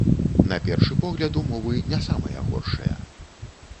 На першы погляд, умовы не самыя горшыя.